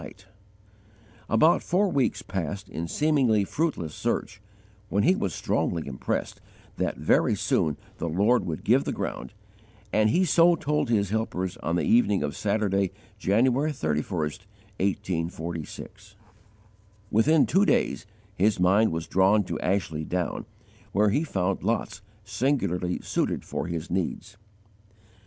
_ About four weeks passed in seemingly fruitless search, when he was strongly impressed that very soon the Lord would give the ground, and he so told his helpers on the evening of Saturday, January 31, 1846. Within two days, his mind was drawn to Ashley Down, where he found lots singularly suited for his needs.